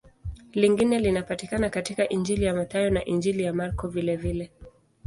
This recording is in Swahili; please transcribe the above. Lingine linapatikana katika Injili ya Mathayo na Injili ya Marko vilevile.